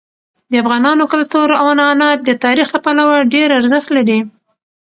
د افغانانو کلتور او عنعنات د تاریخ له پلوه ډېر ارزښت لري.